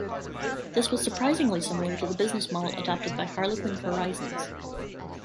This was surprisingly similar to the business model adopted by Harlequin Horizons.